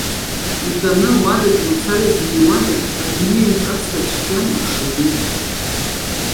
Итәаны ауадаҿ мацара изыҩуада, адәны иуҿасыр цәгьам аԥшаӷьы…